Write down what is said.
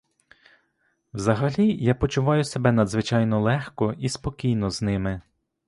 Взагалі, я почуваю себе надзвичайно легко і спокійно з ними.